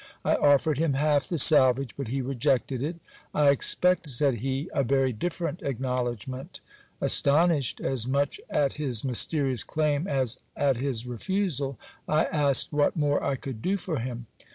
I offered him half the salvage, but he rejected it I expect, said he, a very different acknowledgment. Astonished as much at his mysterious claim as at his refusal, I asked what more I could do for him.